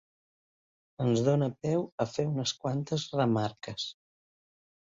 Ens dona peu per fer unes quantes remarques.